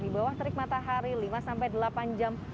di bawah terik matahari lima sampai delapan jam